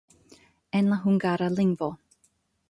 En la hungara lingvo.